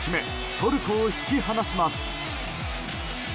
トルコを引き離します。